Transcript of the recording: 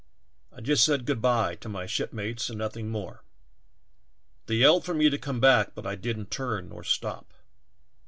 I just said ' Good b^^e ' to m^^ shipmates and nothing more. They yelled for me to come back but I didn't turn nor stop.